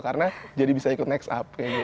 karena jadi bisa ikut nextup kayak gitu